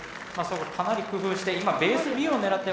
かなり工夫して今ベースＢを狙って。